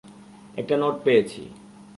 একটা নোট পেয়েছি।